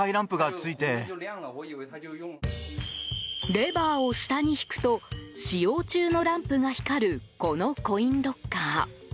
レバーを下に引くと使用中のランプが光るこのコインロッカー。